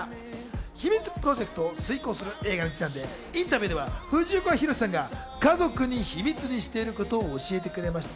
秘密プロジェクトを遂行する映画にちなんで、インタビューでは藤岡弘、さんが家族に秘密にしていることを教えてくれました。